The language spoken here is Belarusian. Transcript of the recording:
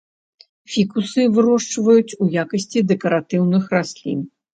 Фікусы вырошчваюць у якасці дэкаратыўных раслін.